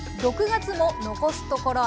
６月も残すところ